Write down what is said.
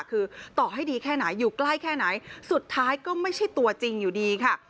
คือต่อให้ดีแค่ไหนอยู่ใกล้แค่ไหนสุดท้ายก็ไม่ใช่ตัวจริงอยู่ดีค่ะ